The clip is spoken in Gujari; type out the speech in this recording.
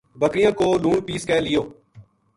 بکریاں کو لون پِیس کے لیو